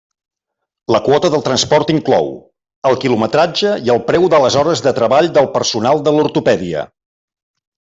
La quota del transport inclou: el quilometratge i el preu de les hores de treball del personal de l'ortopèdia.